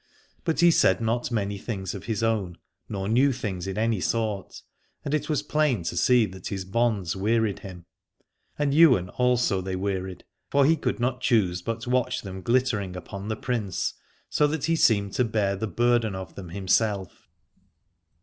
But he said not many things of his own, nor new things in any sort : and it was plain to see that his bonds wearied him. And Ywain also they wearied, for he could not choose but watch them glittering upon the Prince, so that he seemed to bear the burden of them himself.